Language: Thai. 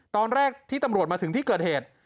ตอนแรกที่ตำรวจมาถึงที่เกิดเหตุ